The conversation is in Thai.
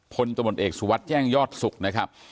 พลตะบดเอกสุวัติแย่งยอดสุขนะครับ